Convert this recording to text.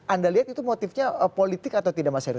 anda lihat itu motifnya politik atau tidak mas heru